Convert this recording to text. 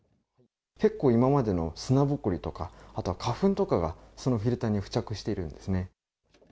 結構、今までの砂ぼこりとか、あとは花粉とかがそのフィルターに付着してるんですね。